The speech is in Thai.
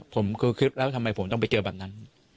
ผมคือคิดแล้วทำไมผมต้องไปเจอแบบนั้น